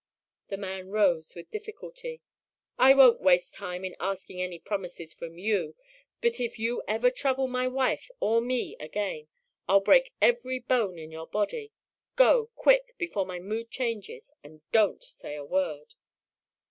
The man rose with difficulty. "I won't waste time in asking any promises from YOU, but if you ever trouble my wife or me again, I'll break every bone in your body. Go, quick, before my mood changes, and don't say a word."